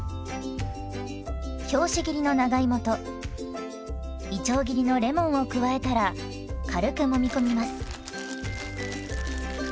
拍子切りの長芋といちょう切りのレモンを加えたら軽くもみこみます。